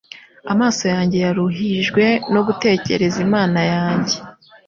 amaso yanjye yaruhijwe no gutegereza Imana yanjye